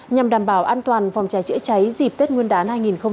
nhằm đảm bảo an toàn phòng cháy chữa cháy dịp tết nguyên đán hai nghìn hai mươi